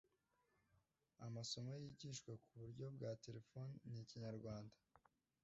Amasomo yigishwa ku buryo bwa telefoni ni Ikinyarwanda